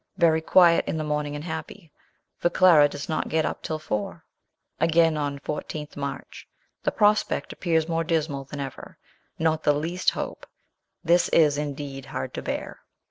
Very quiet in the morning and happy, for Clara does not get up till four. ..." Again on the 14th March "The prospect appears more dismal than ever; not the least hope. This is, indeed, hard to bear."